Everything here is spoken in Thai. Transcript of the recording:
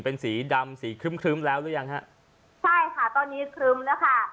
เป็นสีดำสีครึ้มครึ้มแล้วหรือยังฮะใช่ค่ะตอนนี้ครึ้มแล้วค่ะ